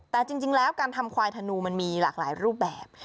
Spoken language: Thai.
แต่จริงแล้วการทำควายธนูมันมีหลากหลายรูปแบบ